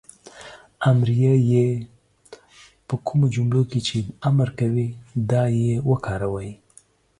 امریه "ئ" په کومو جملو کې چې امر کوی دا "ئ" وکاروئ